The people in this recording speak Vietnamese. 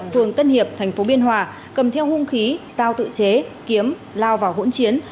phường tân hiệp tp biên hòa cầm theo hung khí giao tự chế kiếm lao vào hỗn chiến